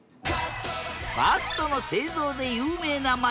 バットの製造で有名な街